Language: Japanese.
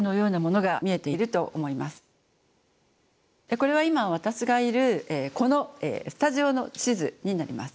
これは今私がいるこのスタジオの地図になります。